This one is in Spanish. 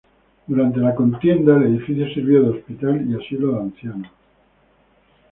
Durante la contienda el edificio sirvió de hospital y asilo de ancianos.